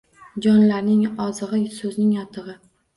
Jonlarning ozig’i — so’zning yotig’i